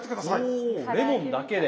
おレモンだけで？